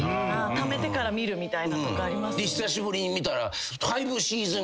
ためてから見るみたいなのとかありますよね。